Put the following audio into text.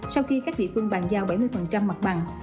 sau khi khách vị phương bàn giao bảy mươi mặt bằng